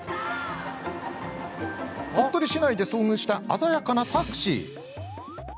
鳥取市内で遭遇した鮮やかなタクシー。